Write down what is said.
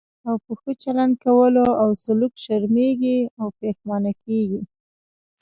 او په ښه چلند کولو او سلوک شرمېږي او پښېمانه کېږي.